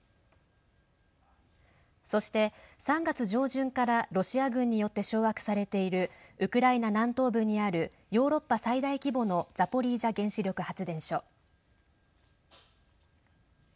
そして、３月上旬からロシア軍によって掌握されているウクライナ南東部にあるヨーロッパ最大規模のザポリージャ原子力発電所。